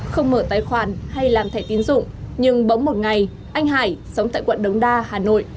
không mở tài khoản hay làm thẻ tiến dụng nhưng bỗng một ngày anh hải sống tại quận đống đa hà nội